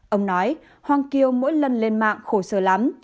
ông nói hoàng kiều mỗi lần lên mạng khổ sơ lắm